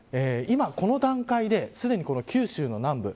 今、この段階ですでに九州南部。